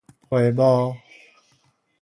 培墓